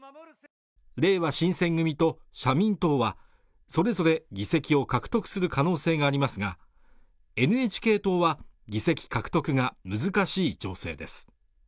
れいわ新選組と社民党はそれぞれ議席を獲得する可能性がありますがＮＨＫ党は議席獲得が難しい情勢です